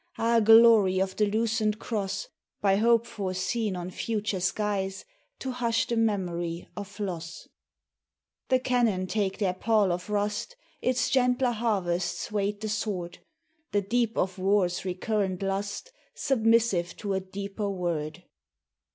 Ah, glory of the lucent cross By hope foreseen on future skies, To hush the memory of loss! MEMORIAL DAY. The cannon take their pall of rust, Its gentler harvests wait the sword, The deep of war's recurrent lust Submissive to a deeper word.